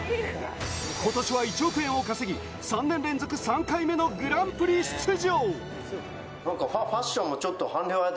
今年は１億円を稼ぎ、３年連続３回目のグランプリ出場。